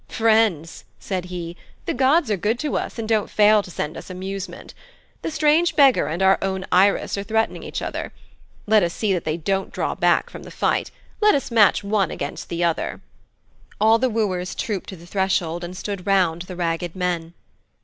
'Friends,' said he, 'the gods are good to us, and don't fail to send us amusement. The strange beggar and our own Irus are threatening each other. Let us see that they don't draw back from the fight. Let us match one against the other.' All the wooers trooped to the threshold and stood round the ragged men.